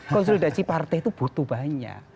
konsolidasi partai itu butuh banyak